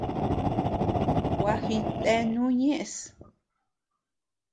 Gua jitenu ñeʼes.